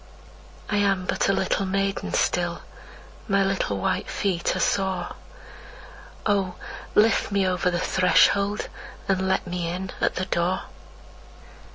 I am but a little maiden still, My little white feet are sore. Oh, lift me over the threshold, and let me in at the door!